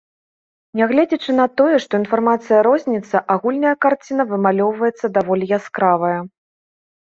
Нягледзячы на тое, што інфармацыя розніцца, агульная карціна вымалёўваецца даволі яскравая.